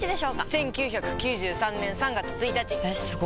１９９３年３月１日！えすご！